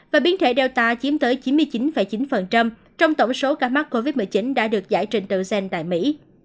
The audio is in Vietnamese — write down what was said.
và biến thể data chiếm tới chín mươi chín chín trong tổng số ca mắc covid một mươi chín đã được giải trình tự gen tại mỹ